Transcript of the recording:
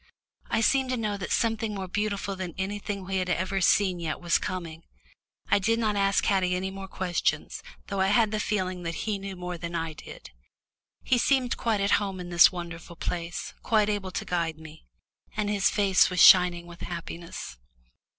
I seemed to know that something more beautiful than anything we had seen yet was coming. I did not ask Haddie any more questions, even though I had a feeling that he knew more than I did. He seemed quite at home in this wonderful place, quite able to guide me. And his face was shining with happiness.